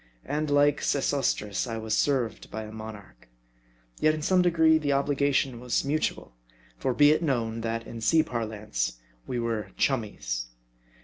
And like Sesostris I was served by a monarch. Yet in some degree the obliga tion was mutual. For be it known that, in sea parlance, we were chummies.